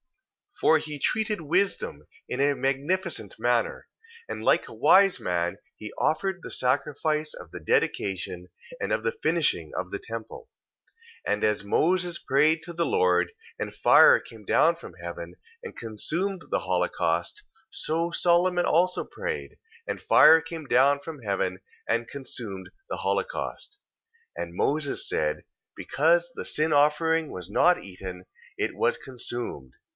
2:9. For he treated wisdom in a magnificent manner: and like a wise man, he offered the sacrifice of the dedication, and of the finishing of the temple. 2:10. And as Moses prayed to the Lord, and fire came down from heaven, and consumed the holocaust: so Solomon also prayed, and fire came down from heaven and consumed the holocaust. 2:11. And Moses said: Because the sin offering was not eaten, it was consumed.